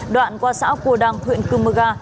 đoạn qua xã cua đăng huyện cư mơ ga